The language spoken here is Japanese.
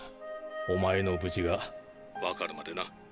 お前の無事が分かるまでな。